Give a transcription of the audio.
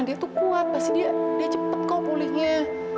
dia tuh kuat pasti dia cepat kok pulihnya